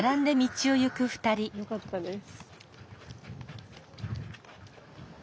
よかったです。